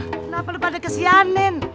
kenapa lu pada kesianin